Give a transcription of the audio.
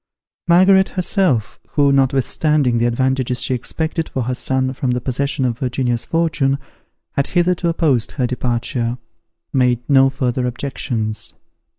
Margaret herself, who, notwithstanding the advantages she expected for her son from the possession of Virginia's fortune, had hitherto opposed her departure, made no further objections.